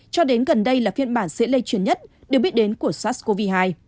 cho đến gần đây là phiên bản dễ lây truyền nhất được biết đến của sars cov hai